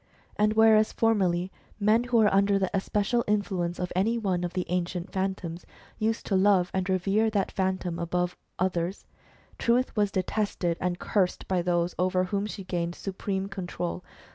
And whereas formerly, men who were under the especial influence of any one of the ancient Phantoms, used to love and revere that Phantom above the others, Truth was detested and cursed by those over whom she gained supreme control.